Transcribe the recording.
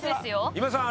今田さん